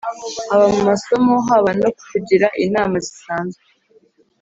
haba mu masomo, haba no kukugira inama zisanzwe